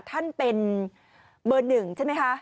ท่านเป็นเบอร์หนึ่งใช่ไหมคะ